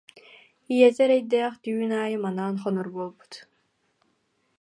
Ийэтэ эрэйдээх түүн аайы манаан хонор буолбут